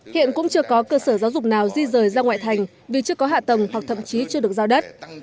hiện cũng chưa có cơ sở giáo dục nào di rời ra ngoại thành vì chưa có hạ tầng hoặc thậm chí chưa được giao đất